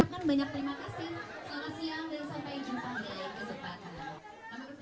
terima kasih selamat siang dan sampai jumpa